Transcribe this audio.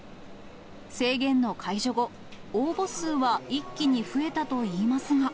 制限の解除後、応募数は一気に増えたといいますが。